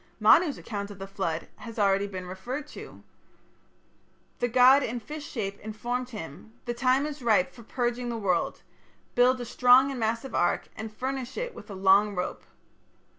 " Manu's account of the flood has been already referred to (Chapter II). The god in fish shape informed him: "The time is ripe for purging the world.... Build a strong and massive ark, and furnish it with a long rope...."